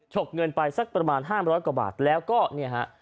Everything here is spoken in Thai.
กเงินไปสักประมาณ๕๐๐กว่าบาทแล้วก็เนี่ยฮะ